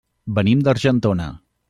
Venim d'Argentona.